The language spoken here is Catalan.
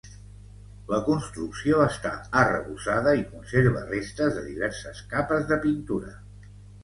La construcció està arrebossada i conserva restes de diverses capes de pintura.